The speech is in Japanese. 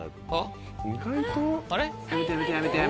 あっ。